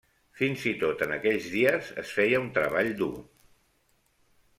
Fins i tot en aquells dies es feia un treball dur.